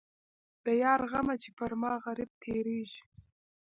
د یار غمه چې پر ما غريب تېرېږي.